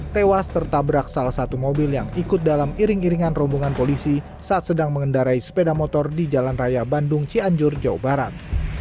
tewas tertabrak salah satu mobil yang ikut dalam iring iringan rombongan polisi saat sedang mengendarai sepeda motor di jalan raya bandung cianjur jawa barat